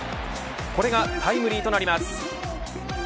これがタイムリーとなります。